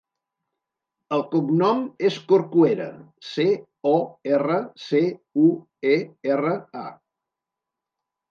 El cognom és Corcuera: ce, o, erra, ce, u, e, erra, a.